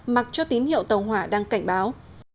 mặc cho tín hiệu tàu hỏa đang cảnh báo